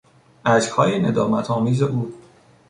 اشکهای ندامت آمیز او